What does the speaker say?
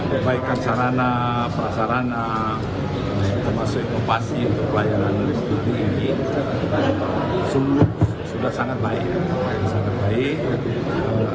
perbaikan sarana prasarana termasuk inovasi untuk pelayanan listrik ini sudah sangat baik